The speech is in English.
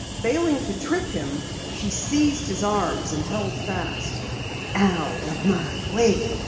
Failing to trip him, she seized his arms and held fast. "Out of my way!"